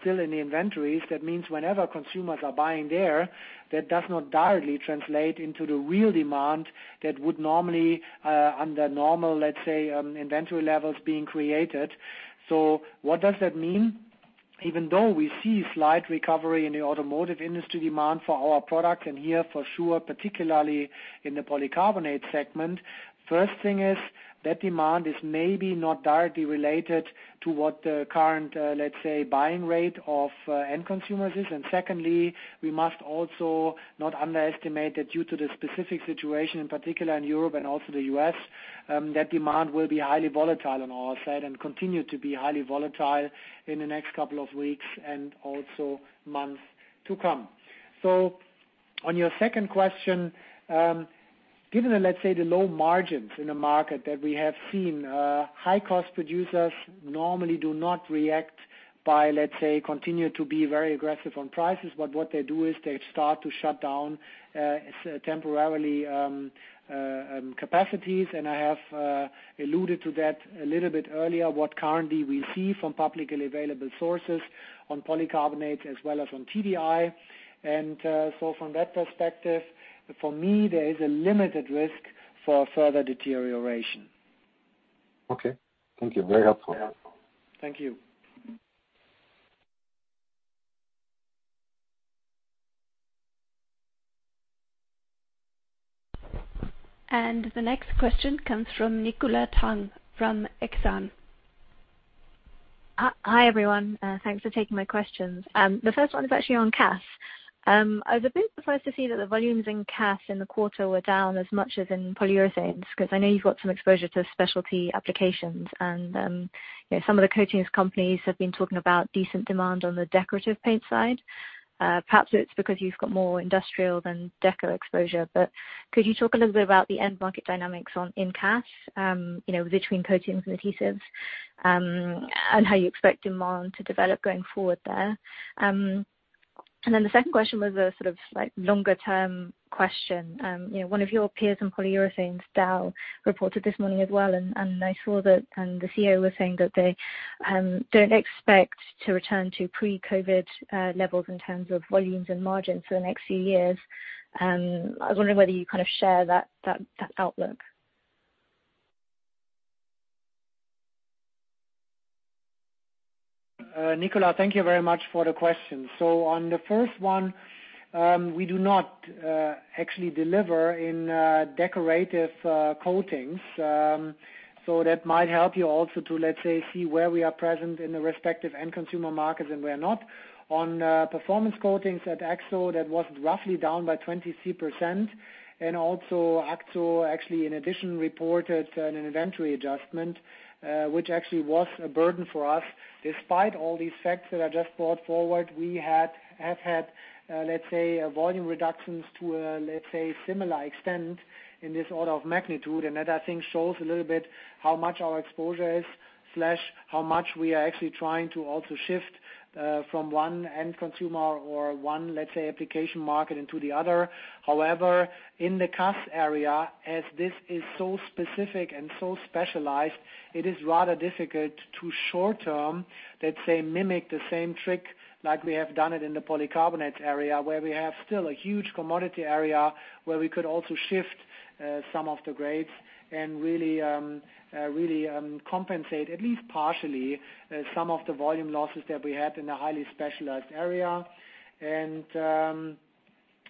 still in the inventories. That means whenever consumers are buying there, that does not directly translate into the real demand that would normally, under normal, let's say, inventory levels being created. What does that mean? Even though we see slight recovery in the automotive industry demand for our products, and here for sure, particularly in the polycarbonate segment, first thing is that demand is maybe not directly related to what the current, let's say, buying rate of end consumers is. Secondly, we must also not underestimate that due to the specific situation, in particular in Europe and also the U.S. That demand will be highly volatile on our side and continue to be highly volatile in the next couple of weeks and also months to come. On your second question, given, let's say, the low margins in the market that we have seen, high-cost producers normally do not react by, let's say, continue to be very aggressive on prices. What they do is they start to shut down temporarily capacities. I have alluded to that a little bit earlier, what currently we see from publicly available sources on polycarbonate as well as on TDI. From that perspective, for me, there is a limited risk for further deterioration. Okay. Thank you. Very helpful. Yeah. Thank you. The next question comes from Nicola Tang from Exane. Hi, everyone. Thanks for taking my questions. The first one is actually on CAS. I was a bit surprised to see that the volumes in CAS in the quarter were down as much as in polyurethanes, because I know you've got some exposure to specialty applications and some of the coatings companies have been talking about decent demand on the decorative paint side. Perhaps it's because you've got more industrial than deco exposure, but could you talk a little bit about the end market dynamics in CAS between coatings and adhesives, and how you expect demand to develop going forward there? The second question was a sort of longer-term question. One of your peers in polyurethanes, Dow, reported this morning as well. I saw the CEO was saying that they don't expect to return to pre-COVID levels in terms of volumes and margins for the next few years. I was wondering whether you kind of share that outlook. Nicola, thank you very much for the question. On the first one, we do not actually deliver in decorative coatings. That might help you also to, let's say, see where we are present in the respective end consumer markets and where not. On performance coatings at AkzoNobel, that was roughly down by 23%. Also AkzoNobel actually in addition, reported an inventory adjustment, which actually was a burden for us. Despite all these facts that I just brought forward, we have had, let's say, volume reductions to a similar extent in this order of magnitude. That, I think, shows a little bit how much our exposure is, slash how much we are actually trying to also shift from one end consumer or one, let's say, application market into the other. However, in the CAS area, as this is so specific and so specialized, it is rather difficult to short-term, let's say, mimic the same trick like we have done it in the polycarbonate area, where we have still a huge commodity area where we could also shift some of the grades and really compensate, at least partially, some of the volume losses that we had in a highly specialized area.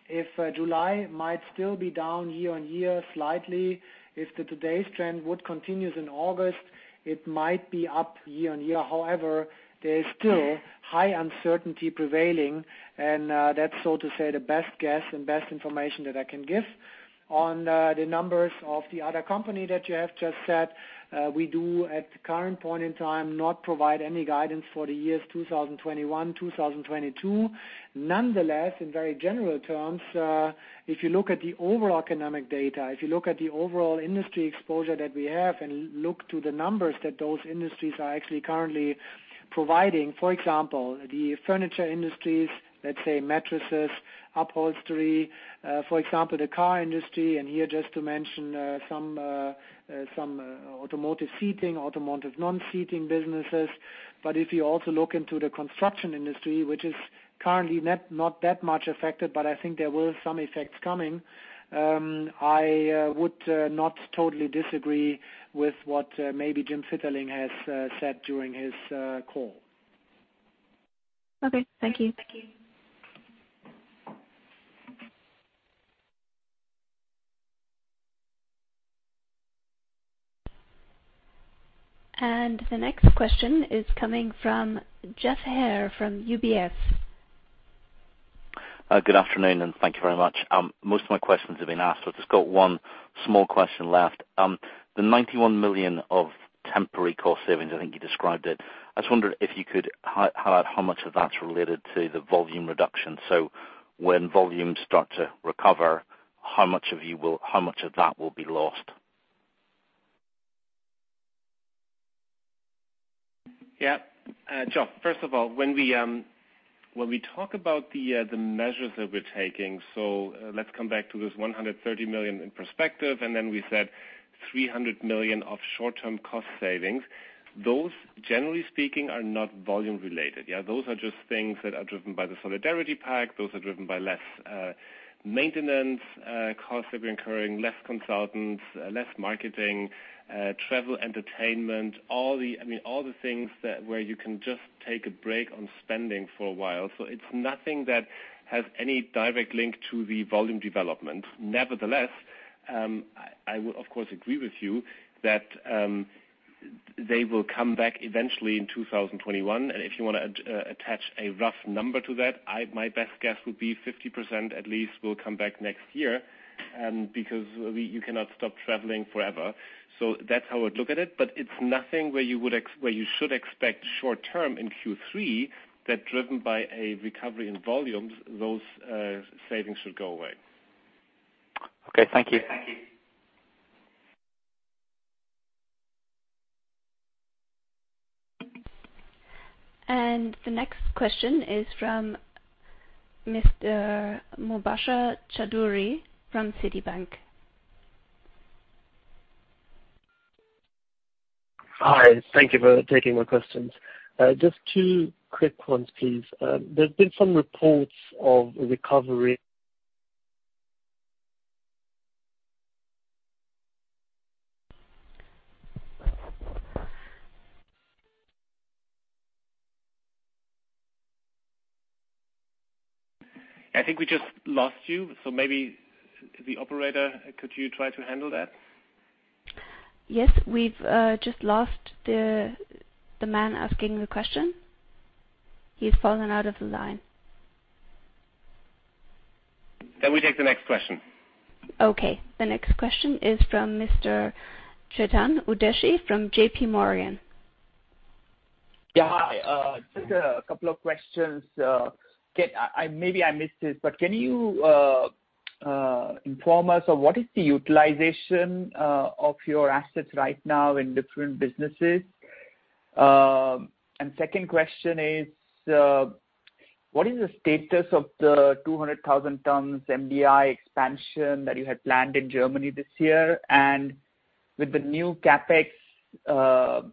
If July might still be down year-on-year slightly, if the today's trend would continue in August, it might be up year-on-year. However, there is still high uncertainty prevailing, and that's so to say the best guess and best information that I can give. On the numbers of the other company that you have just said, we do at the current point in time not provide any guidance for the years 2021, 2022. Nonetheless, in very general terms, if you look at the overall economic data, if you look at the overall industry exposure that we have and look to the numbers that those industries are actually currently providing. For example, the furniture industries, let's say mattresses, upholstery for example, the car industry, and here just to mention some automotive seating, automotive non-seating businesses. If you also look into the construction industry, which is currently not that much affected, but I think there will some effects coming, I would not totally disagree with what maybe Jim Fitterling has said during his call. Okay. Thank you. The next question is coming from Geoff Haire from UBS. Good afternoon, and thank you very much. Most of my questions have been asked. I've just got one small question left. The 91 million of temporary cost savings, I think you described it. I just wondered if you could highlight how much of that's related to the volume reduction. When volumes start to recover, how much of that will be lost? Yeah. Geoff, first of all, when we talk about the measures that we're taking, let's come back to this 130 million in Perspective, we said 300 million of short-term cost savings. Those, generally speaking, are not volume related. Those are just things that are driven by the solidarity pact. Those are driven by less maintenance costs that we're incurring, less consultants, less marketing, travel, entertainment, all the things where you can just take a break on spending for a while. It's nothing that has any direct link to the volume development. Nevertheless, I will of course agree with you that They will come back eventually in 2021. If you want to attach a rough number to that, my best guess would be 50% at least will come back next year, because you cannot stop traveling forever. That's how I would look at it, but it's nothing where you should expect short-term in Q3, that driven by a recovery in volumes, those savings should go away. Okay, thank you. The next question is from Mr. Mubasher Chaudhry from Citibank. Hi, thank you for taking my questions. Just two quick ones, please. There has been some reports of recovery. I think we just lost you, so maybe the operator, could you try to handle that? Yes. We've just lost the man asking the question. He's fallen out of the line. We take the next question. Okay. The next question is from Mr. Chetan Udeshi from JPMorgan. Yeah. Hi, just a couple of questions. Maybe I missed it, can you inform us of what is the utilization of your assets right now in different businesses? Second question is, what is the status of the 200,000 tons MDI expansion that you had planned in Germany this year? With the new CapEx framework,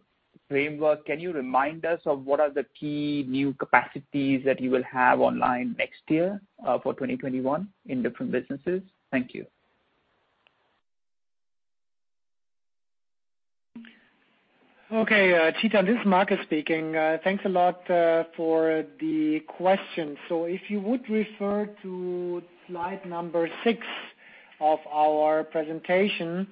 can you remind us of what are the key new capacities that you will have online next year, for 2021, in different businesses? Thank you. Okay, Chetan, this is Markus speaking. Thanks a lot for the question. If you would refer to slide number six of our presentation.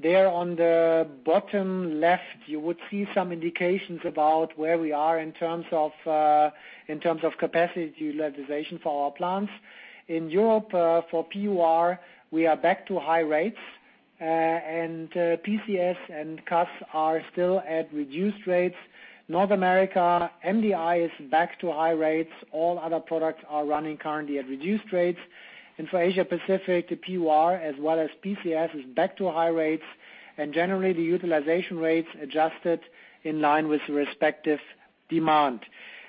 There on the bottom left, you would see some indications about where we are in terms of capacity utilization for our plants. In Europe, for PUR, we are back to high rates. PCS and CAS are still at reduced rates. North America, MDI is back to high rates. All other products are running currently at reduced rates. For Asia Pacific, the PUR as well as PCS is back to high rates, and generally the utilization rates adjusted in line with the respective demand.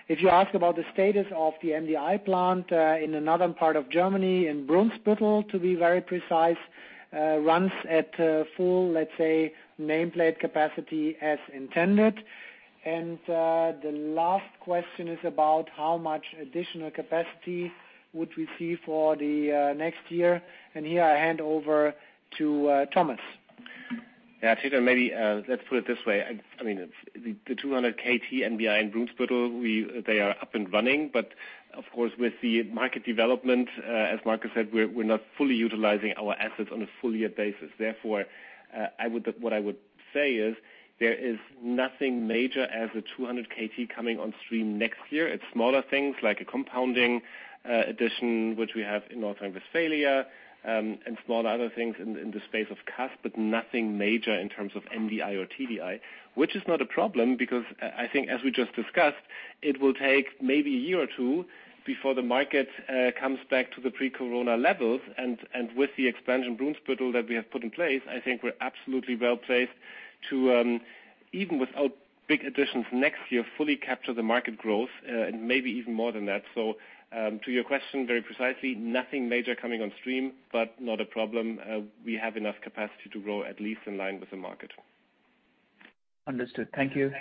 If you ask about the status of the MDI plant in another part of Germany, in Brunsbüttel to be very precise, runs at full, let's say, nameplate capacity as intended. The last question is about how much additional capacity would we see for the next year. Here I hand over to Thomas. Yeah, Chetan, maybe let's put it this way. The 200 KT MDI in Brunsbüttel, they are up and running. Of course, with the market development, as Markus said, we're not fully utilizing our assets on a full year basis. Therefore, what I would say is, there is nothing major as the 200 KT coming on stream next year. It's smaller things like a compounding addition, which we have in North Rhine-Westphalia, and small other things in the space of CAS, but nothing major in terms of MDI or TDI. Which is not a problem because, I think as we just discussed, it will take maybe a year or two before the market comes back to the pre-corona levels. With the expansion Brunsbüttel that we have put in place, I think we're absolutely well placed to, even without big additions next year, fully capture the market growth, and maybe even more than that. To your question very precisely, nothing major coming on stream, but not a problem. We have enough capacity to grow at least in line with the market. Understood. Thank you.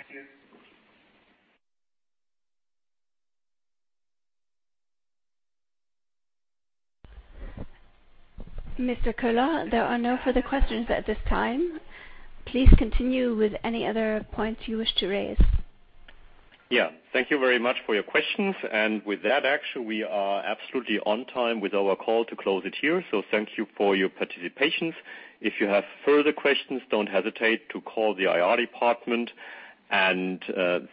Mr. Köhler, there are no further questions at this time. Please continue with any other points you wish to raise. Thank you very much for your questions. With that, actually, we are absolutely on time with our call to close it here. Thank you for your participation. If you have further questions, don't hesitate to call the IR department and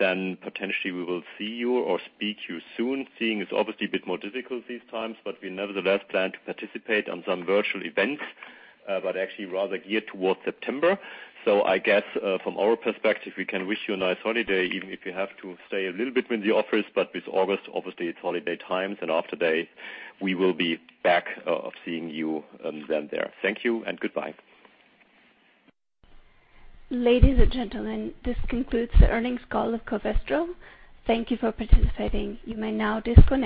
then potentially we will see you or speak to you soon. Seeing it's obviously a bit more difficult these times, but we nevertheless plan to participate on some virtual events, but actually rather geared towards September. I guess, from our perspective, we can wish you a nice holiday, even if you have to stay a little bit in the office. With August, obviously it's holiday times, and after that we will be back of seeing you then there. Thank you and goodbye. Ladies and gentlemen, this concludes the earnings call of Covestro. Thank you for participating. You may now disconnect.